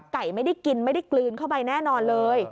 ไก่ไม่ได้กินไม่ได้กลืนเข้าไปแน่นอนเลย